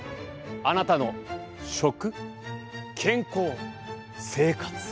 あなたの食、健康、生活。